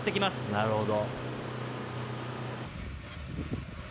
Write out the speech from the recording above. なるほど。